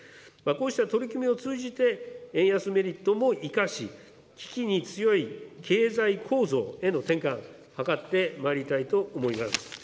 こうした取り組みを通じて、円安メリットも生かし、危機に強い経済構造への転換を図ってまいりたいと思います。